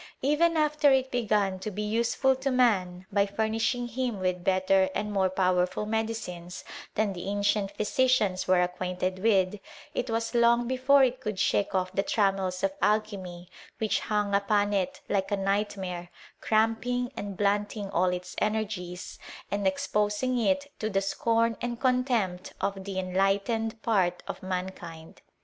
Even after it began to be useful to man, by furnishing him with better and more power ful medicines than the ancient physicians were ac quainted with, it was long before it could shake off the trammels of alchymy, which hung upon it like a nightmare, cramping and blunting all its energies, and exposing it to the scorn and contempt of the enlightened part of mankind.